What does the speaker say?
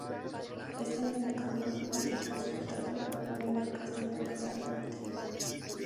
Este mismo camino permitía transportar la lana merina castellana hacia el norte.